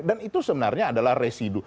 dan itu sebenarnya adalah residu